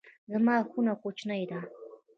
زما خونه کوچنۍ ده